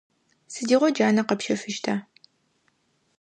Сыдигъо джанэ къэпщэфыщта?